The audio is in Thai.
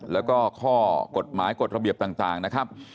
แล้วก็ข้อกฎหมายกฎระเบียบต่างนะครับ